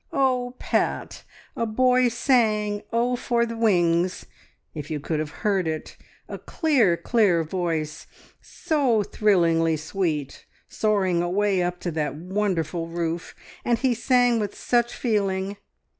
"Oh, Pat, a boy sang `Oh, for the wings'! If you could have heard it! A clear, clear voice, so thrillingly sweet, soaring away up to that wonderful roof. And he sang with such feeling."